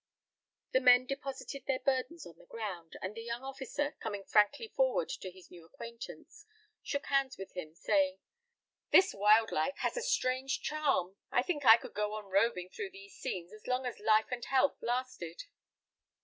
The men deposited their burdens on the ground, and the young officer, coming frankly forward to his new acquaintance, shook hands with him, saying, "This wild life has a strange charm. I think I could go on roving through these scenes as long as life and health lasted."